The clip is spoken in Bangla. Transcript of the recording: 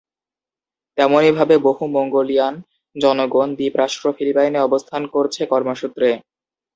তেমনি ভাবে বহু মঙ্গোলিয়ান জনগণ দ্বীপরাষ্ট্র ফিলিপাইনে অবস্থান করছে কর্ম সূত্রে।